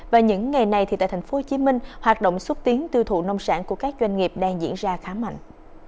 và những ngày này tại tp hcm hoạt động xúc tiến tiêu thụ nông sản của các doanh nghiệp đang diễn ra khá mạnh